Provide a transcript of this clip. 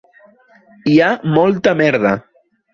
Hi ha molta merda.